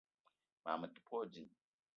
Mag me te pe wa ding.